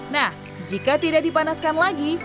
nah jika tidak dipanaskan lagi